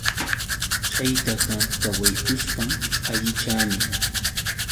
Chaytaqa qawaykushpam allichani.